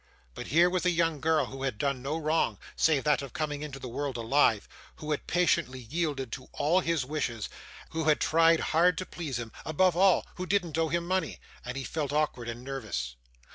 But, here was a young girl, who had done no wrong save that of coming into the world alive; who had patiently yielded to all his wishes; who had tried hard to please him above all, who didn't owe him money and he felt awkward and nervous.